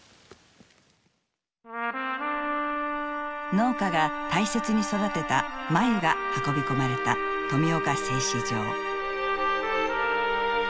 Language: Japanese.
農家が大切に育てた繭が運び込まれた富岡製糸場。